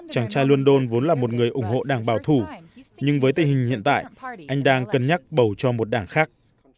chàng trai london vốn là một người ủng hộ đảng bảo thủ nhưng với tình hình hiện tại anh đang cân nhắc bầu cho một đảng khác